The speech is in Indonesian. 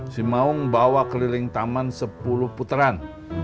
si maung bawa keliling taman sepuluh puteran